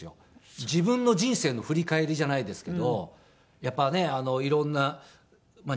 自分の人生の振り返りじゃないですけどやっぱりね色んな日本の変遷とかね